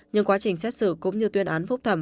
nhưng quá trình xét xử cũng như tuyên án phúc thẩm